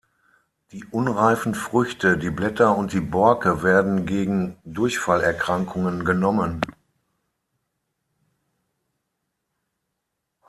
Die unreifen Früchte, die Blätter und die Borke werden gegen Durchfallerkrankungen genommen.